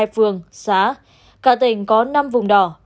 hai phường xá cả tỉnh có năm vùng đỏ